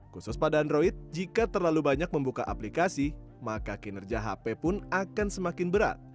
khusus pada android jika terlalu banyak membuka aplikasi maka kinerja hp pun akan semakin berat